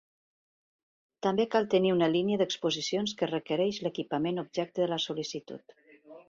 També cal tenir una línia d'exposicions que requereix l'equipament objecte de la sol·licitud.